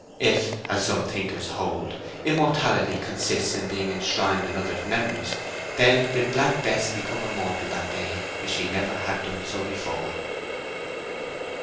If, as some thinkers hold, immortality consists in being enshrined in others' memories, then did Black Bess become immortal that day if she never had done so before.